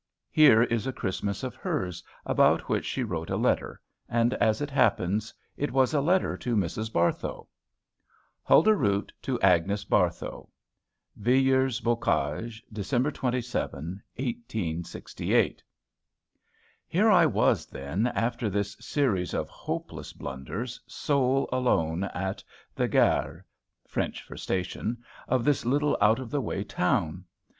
Here is a Christmas of hers, about which she wrote a letter; and, as it happens, it was a letter to Mrs. Barthow. HULDAH ROOT TO AGNES BARTHOW. VILLERS BOCAGE, Dec. 27, 1868. ... Here I was, then, after this series of hopeless blunders, sole alone at the gare [French for station] of this little out of the way town.